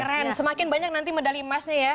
keren semakin banyak nanti medali emasnya ya